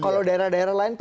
kalau daerah daerah lain